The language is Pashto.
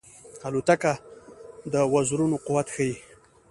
الوتکه د وزرونو قوت ښيي.